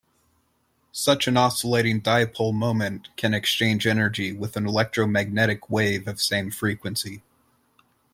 Such an oscillating dipole moment can exchange energy with an electromagnetic wave of same frequency.